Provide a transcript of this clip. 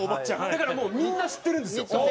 だからもうみんな知ってるんですよ。